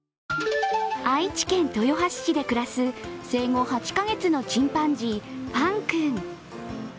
愛知県豊橋市で暮らす生後８カ月のチンパンジー、ファン君。